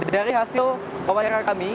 dari hasil pembawaan yang kami